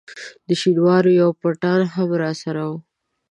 د شینوارو یو پټان هم راسره وو.